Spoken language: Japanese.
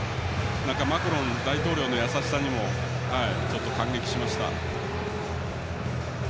マクロン大統領の優しさにも感激しました。